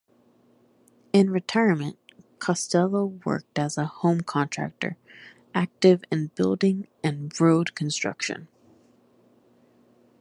In retirement, Costello worked as a home contractor, active in building and road construction.